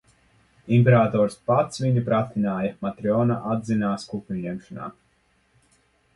Imperators pats viņu pratināja, Matrjona atzinās kukuļņemšanā.